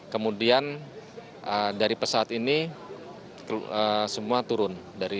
kemudian dari pesawat ini semua turun